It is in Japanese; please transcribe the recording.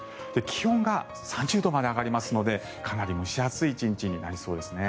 気温が３０度まで上がりますのでかなり蒸し暑い１日になりそうですね。